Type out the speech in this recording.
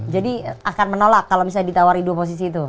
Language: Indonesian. jadi akan menolak kalau ditawari dua posisi itu